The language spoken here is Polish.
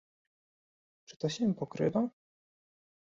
Czy to się pokrywa?